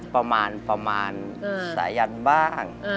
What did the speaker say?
ประมาณสายชายันบ้าง